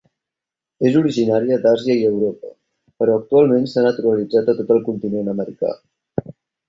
És originària d'Àsia i Europa, però actualment s'ha naturalitzat a tot el continent americà.